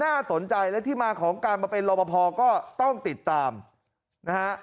น่าสนใจและที่มาของการมาเป็นรอปภก็ต้องติดตามนะฮะ